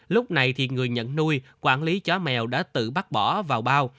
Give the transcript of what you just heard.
lúc này thì người nhận nuôi quản lý chó mèo đã tự bắt bỏ vào bao